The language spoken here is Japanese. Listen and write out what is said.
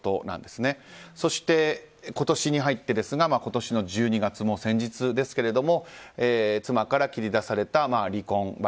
そして、今年に入って今年１２月先日ですけれども妻から切り出された離婚話。